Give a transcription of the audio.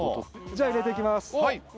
じゃあ入れて行きます。